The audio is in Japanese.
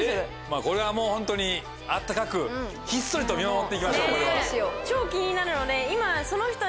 これはもうホントに温かくひっそりと見守って行きましょうこれは。